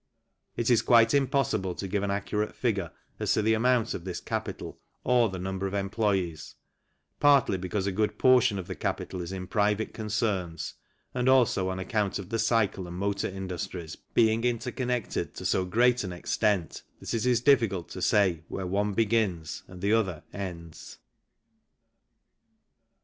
It is quite impossible to give an accurate figure as to the amount of this capital or the number of employees, partly because a good portion of the capital is in private concerns and also on account of the cycle and motor industries being interconnected to so great an extent that it is difficult to say where one begins and the other ends.